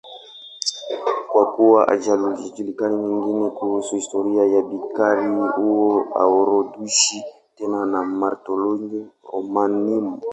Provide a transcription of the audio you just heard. Kwa kuwa hayajulikani mengine kuhusu historia ya bikira huyo, haorodheshwi tena na Martyrologium Romanum.